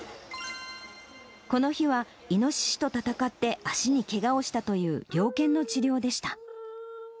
この日は、イノシシと戦って足にけがをしたという猟犬の治療でした。